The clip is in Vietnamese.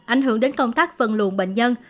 ảnh hưởng đến công tác phân luồn bệnh nhân